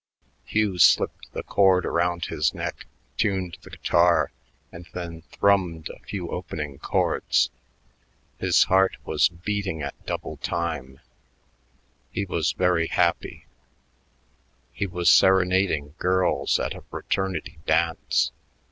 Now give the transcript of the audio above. Hugh slipped the cord around his neck, tuned the guitar, and then thrummed a few opening chords. His heart was beating at double time; he was very happy: he was serenading girls at a fraternity dance.